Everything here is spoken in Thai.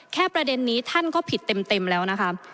ประเด็นนี้ท่านก็ผิดเต็มแล้วนะคะ